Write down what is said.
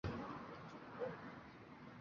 信众约百人。